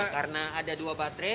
karena ada dua baterai